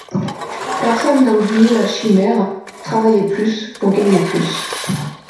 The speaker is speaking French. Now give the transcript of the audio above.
Personne n’a oublié la chimère « Travailler plus pour gagner plus.